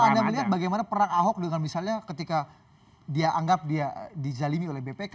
tapi anda melihat bagaimana perang ahok dengan misalnya ketika dia anggap dia dizalimi oleh bpk